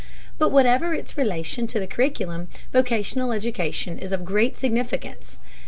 But whatever its relation to the curriculum, vocational education is of great significance.